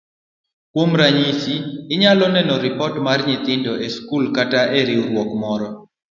Kuom ranyisi, inyalo neno ripot mar nyithindo e skul kata e riwruok moro.